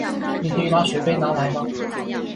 你可以把水杯拿来吗？